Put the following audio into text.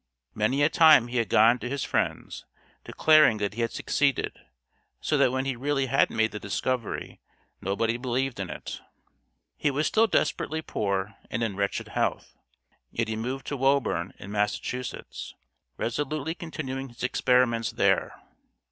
Many a time he had gone to his friends, declaring that he had succeeded, so that when he really had made the discovery nobody believed in it. He was still desperately poor and in wretched health. Yet he moved to Woburn, in Massachusetts, resolutely continuing his experiments there.